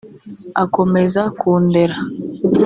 akomeza Kundera”